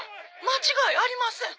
「間違いありません」